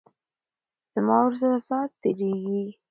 زما ورسره ساعت تیریږي.